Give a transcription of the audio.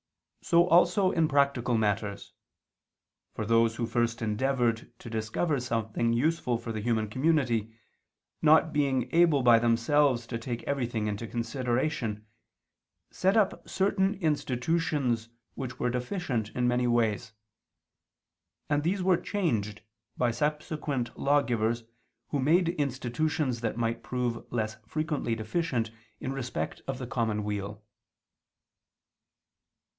So also in practical matters: for those who first endeavored to discover something useful for the human community, not being able by themselves to take everything into consideration, set up certain institutions which were deficient in many ways; and these were changed by subsequent lawgivers who made institutions that might prove less frequently deficient in respect of the common weal.